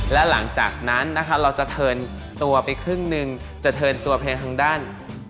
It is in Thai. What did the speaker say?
และหลังจากนั้นนะคะเราจะเทินตัวไปครึ่งหนึ่งจะเทินตัวเพลงทางด้าน